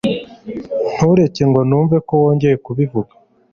Ntureke ngo numve ko wongeye kubivuga